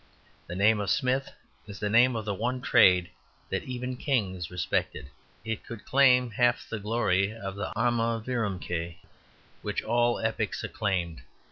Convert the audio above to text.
The name of Smith is the name of the one trade that even kings respected, it could claim half the glory of that arma virumque which all epics acclaimed.